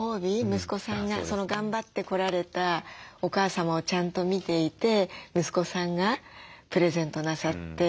息子さんが頑張ってこられたお母様をちゃんと見ていて息子さんがプレゼントなさって。